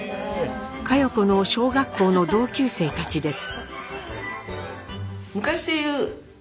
佳代子の小学校の同級生たちです。